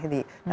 di dalam bentuk